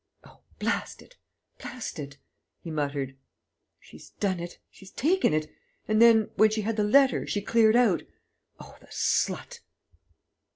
"Oh blast it, blast it!" he muttered. "She's done it ... she's taken it.... And then, when she had the letter, she cleared out.... Oh, the slut!..."